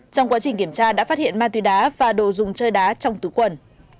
trong quá trình kiểm tra đã phát hiện ma túy đá và đồ dùng chơi đá trong túi quần